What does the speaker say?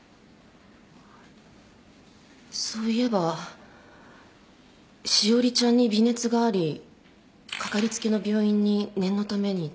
そういえば詩織ちゃんに微熱がありかかりつけの病院に念のために連れていきました。